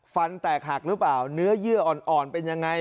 ฟันแตกหักหรือเปล่าเนื้อเยื่ออ่อนเป็นยังไง